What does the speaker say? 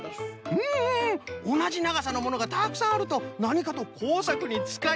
うんうんおなじながさのものがたくさんあるとなにかとこうさくにつかいやすい。